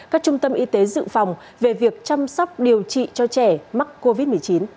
các trung tâm y tế dự phòng về việc chăm sóc điều trị cho trẻ mắc covid một mươi chín